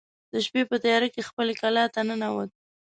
د شپې په تیاره کې خپلې کلا ته ننوت.